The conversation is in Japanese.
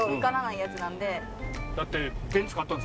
だって。